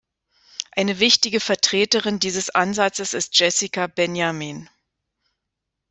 Eine wichtige Vertreterin dieses Ansatzes ist Jessica Benjamin.